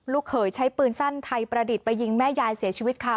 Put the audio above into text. เขยใช้ปืนสั้นไทยประดิษฐ์ไปยิงแม่ยายเสียชีวิตค่ะ